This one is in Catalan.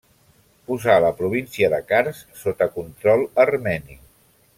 Posà la província de Kars sota control armeni.